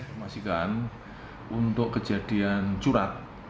permasikan untuk kejadian curat